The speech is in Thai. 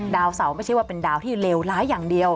ดาวเสาไม่ใช่ว่าเป็นดาวที่เลวร้ายอย่างเดียว